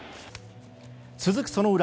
続くその裏。